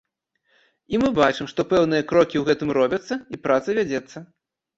І мы бачым, што пэўныя крокі ў гэтым робяцца і праца вядзецца.